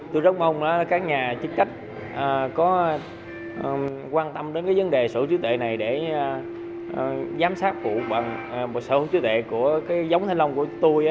tôi rất mong các nhà chức trách có quan tâm đến vấn đề sở hữu chứa tệ này để giám sát phụ bằng sở hữu chứa tệ của giống thanh long của tôi